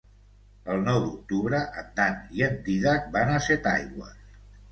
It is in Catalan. El nou d'octubre en Dan i en Dídac van a Setaigües.